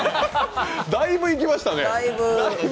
だいぶいきましたね。